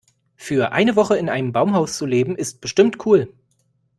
Für eine Woche in einem Baumhaus zu leben, ist bestimmt cool.